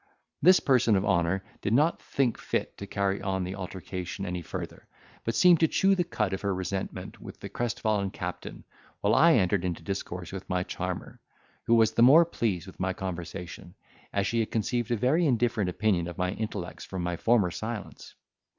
This person of honour did not think fit to carry on the altercation any further, but seemed to chew the cud of her resentment with the crestfallen captain, while I entered into discourse with my charmer, who was the more pleased with my conversation, as she had conceived a very indifferent opinion of my intellects from my former silence.